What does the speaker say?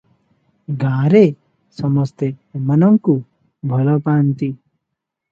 ଗାଁରେ ସମସ୍ତେ ଏମାନଙ୍କୁ ଭଲ ପାନ୍ତି ।